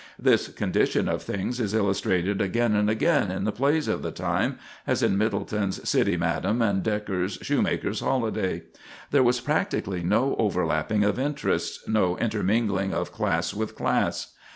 This condition of things is illustrated again and again in the plays of the time, as in Middleton's "City Madam" and Dekker's "Shoemaker's Holiday." There was practically no overlapping of interests, no intermingling of class with class.